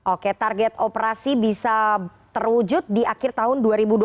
oke target operasi bisa terwujud di akhir tahun dua ribu dua puluh satu